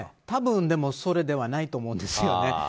多分、でも、それではないと思うんですよね。